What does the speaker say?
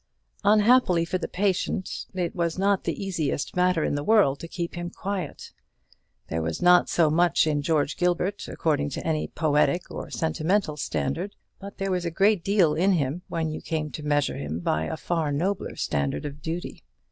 Unhappily for the patient, it was not the easiest matter in the world to keep him quiet. There was not so much in George Gilbert, according to any poetic or sentimental standard; but there was a great deal in him, when you came to measure him by the far nobler standard of duty.